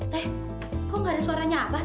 teh kok nggak ada suaranya abah teh